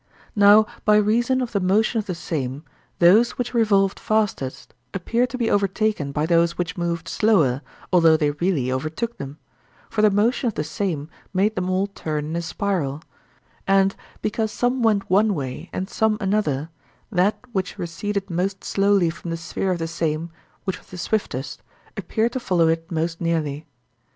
Now by reason of the motion of the same, those which revolved fastest appeared to be overtaken by those which moved slower although they really overtook them; for the motion of the same made them all turn in a spiral, and, because some went one way and some another, that which receded most slowly from the sphere of the same, which was the swiftest, appeared to follow it most nearly.